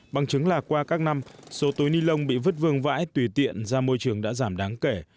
bằng chứng là qua các năm số túi ni lông bị vứt vương vãi tùy tiện ra môi trường đã giảm đáng kể